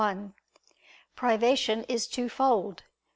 1: Privation is twofold.